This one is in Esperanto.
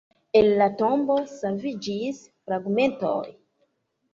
El la Tombo saviĝis fragmentoj.